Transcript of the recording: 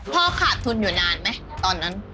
ขาดทุนอยู่นานไหมตอนนั้น